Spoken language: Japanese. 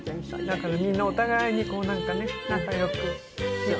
だからみんなお互いにこうなんかね仲良く豊かに。